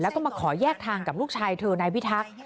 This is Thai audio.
แล้วก็มาขอแยกทางกับลูกชายเธอนายพิทักษ์